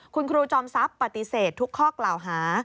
คุณครูจอมทรัพย์ปฏิเสธทุกข้อกล่าวหา